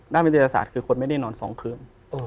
วิทยาศาสตร์คือคนไม่ได้นอน๒คืน